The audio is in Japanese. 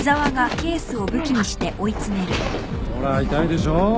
ほら痛いでしょ？